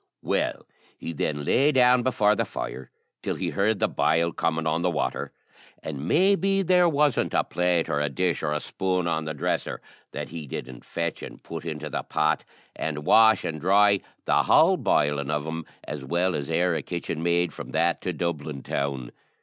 Well, he then lay down before the fire till he heard the boil coming on the water, and maybe there wasn't a plate, or a dish, or a spoon on the dresser that he didn't fetch and put into the pot, and wash and dry the whole bilin' of 'em as well as e'er a kitchen maid from that to Dublin town.